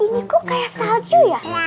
ini kok kayak salju ya